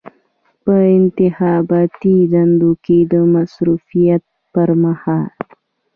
په انتخاباتي دندو کې د مصروفیت پر مهال.